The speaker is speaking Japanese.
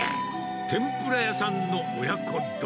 天ぷら屋さんの親子丼。